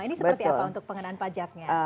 ini seperti apa untuk pengenaan pajaknya